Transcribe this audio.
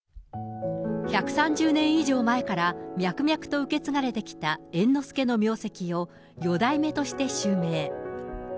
１３０年以上前から脈々と受け継がれてきた猿之助の名跡を、四代目として襲名。